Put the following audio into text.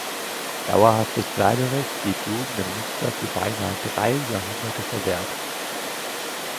Dauerhaftes Bleiberecht blieb Juden in Münster für beinahe drei Jahrhunderte verwehrt.